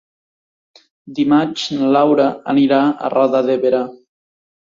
Dimarts na Laura anirà a Roda de Berà.